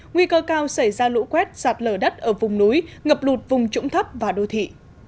nguy cơ cao xảy ra lũ quét sạt lở đất ở vùng núi ngập lụt vùng trũng thấp và đô thị